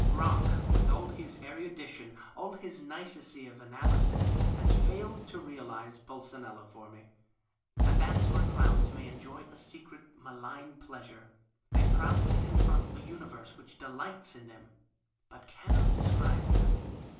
Crock, with all his erudition, all his nicety of analysis, has failed to realize Puleinella for me. And that is where clowns may enjoy a secret, malign pleasure ; they proudl}' confront a universe which delights in them but cannot describe them.